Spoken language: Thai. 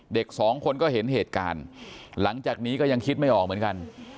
เด็กสองคนก็เห็นเหตุการณ์หลังจากนี้ก็ยังคิดไม่ออกเหมือนกัน